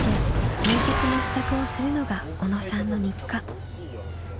夕食の支度をするのが小野さんの日課。